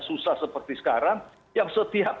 susah seperti sekarang yang setiap